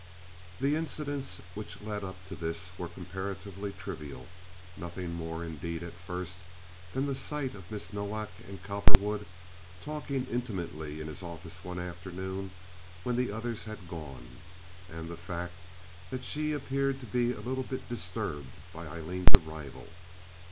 The incidents which led up to this were comparatively trivial—nothing more, indeed, at first than the sight of Miss Nowak and Cowperwood talking intimately in his office one afternoon when the others had gone and the fact that she appeared to be a little bit disturbed by Aileen's arrival.